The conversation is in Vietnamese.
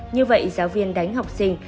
như vậy giáo viên đánh học sinh